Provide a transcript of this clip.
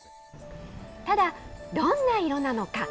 ただ、どんな色なのか。